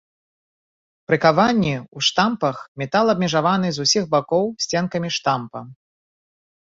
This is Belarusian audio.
Пры каванні ў штампах метал абмежаваны з усіх бакоў сценкамі штампа.